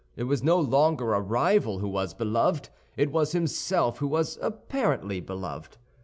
It was no longer a rival who was beloved; it was himself who was apparently beloved.